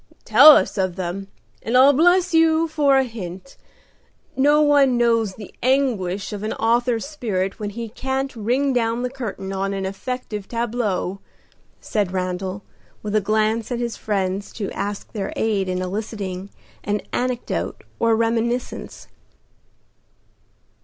"Tell us one of them, and I'll bless you for a hint. No one knows the anguish of an author's spirit when he can't ring down the curtain on an effective tableau," said Randal, with a glance at his friends to ask their aid in eliciting an anecdote or reminiscence.